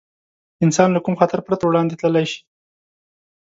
انسان له کوم خطر پرته وړاندې تللی شي.